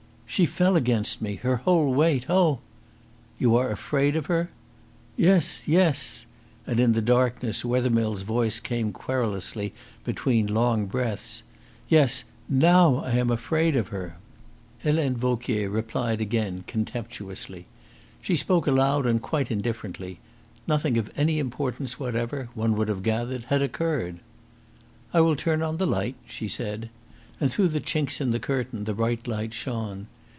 "She fell against me her whole weight. Oh!" "You are afraid of her!" "Yes, yes!" And in the darkness Wethermill's voice came querulously between long breaths. "Yes, NOW I am afraid of her!" Helene Vauquier replied again contemptuously. She spoke aloud and quite indifferently. Nothing of any importance whatever, one would have gathered, had occurred. "I will turn on the light," she said. And through the chinks in the curtain the bright light shone.